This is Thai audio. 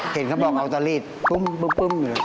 เห็นเขาบอกเอาเต้ารีดปุ้มอยู่แหละ